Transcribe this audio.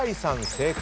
正解。